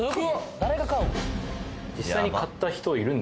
誰が買うん？